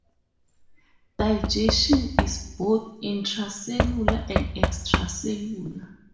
Digestion is both intracellular and extracellular.